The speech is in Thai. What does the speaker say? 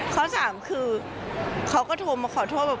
ข้อ๓คือเขาก็โทรมาขอโทษ